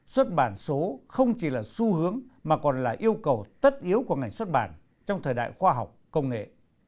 xuất bản số không chỉ là xu hướng mà còn là yêu cầu tất yếu của ngành xuất bản trong thời đại khoa học công nghệ